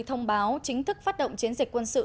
thông báo chính thức phát động chiến dịch quân sự